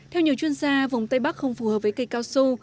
theo nhiều chuyên gia vùng tây bắc không phù hợp với cây cao su